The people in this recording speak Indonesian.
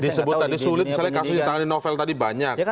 disebut tadi sulit misalnya kasus ditangani novel tadi banyak